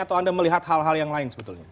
atau anda melihat hal hal yang lain sebetulnya